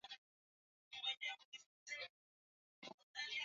Baadhi ya sehemu za Kenya zimekuwa chini ya amri